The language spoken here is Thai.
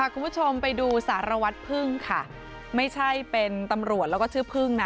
คุณผู้ชมไปดูสารวัตรพึ่งค่ะไม่ใช่เป็นตำรวจแล้วก็ชื่อพึ่งนะ